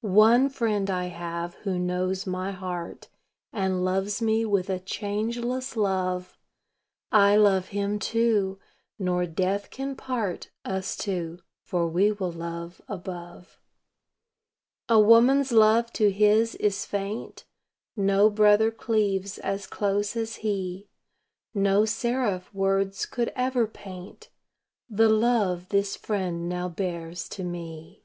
One Friend I have who knows my heart, And loves me with a changeless love; I love Him, too nor death can part Us two, for we will love above. A woman's love to His is faint; No brother cleaves as close as He; No seraph words could ever paint The love this Friend now bears to me.